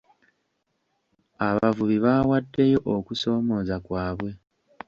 Abavubi baawaddeyo okusoomooza kwaabwe.